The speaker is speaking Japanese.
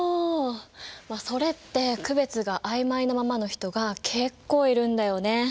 まあそれって区別が曖昧なままの人が結構いるんだよね。